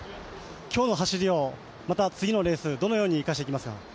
今日の走りを次のレースにどのように生かしていきますか。